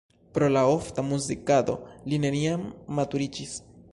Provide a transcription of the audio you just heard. Pro la ofta muzikado li neniam maturiĝis.